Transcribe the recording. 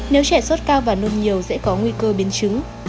nếu trẻ sốt cao và nôn nhiều sẽ có nguy cơ biến chứng